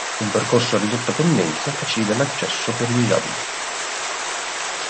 Un percorso a ridotta pendenza facilita l'accesso per i disabili.